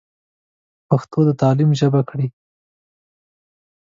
پښتو د تعليم ژبه کړئ.